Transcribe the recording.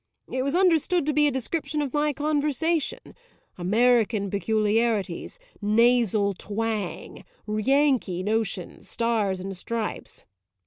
It was understood to be a description of my conversation; American peculiarities, nasal twang, Yankee notions, stars and stripes.